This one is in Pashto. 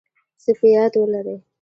څه په یاد ولرئ